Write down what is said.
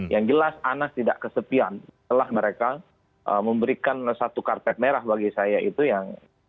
yang jelas anas tidak kesepian telah mereka memberikan satu karpet merah bagi saya itu yang